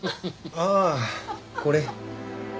ああこれ。